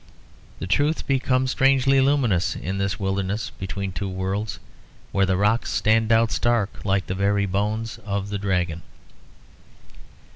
The truth becomes strangely luminous in this wilderness between two worlds, where the rocks stand out stark like the very bones of the Dragon.